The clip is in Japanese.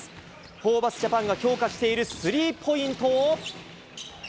ホーバスジャパンが強化しているスリーポイントを。